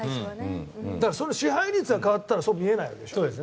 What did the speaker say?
だから、支配率が変わったらそう見えないわけでしょ。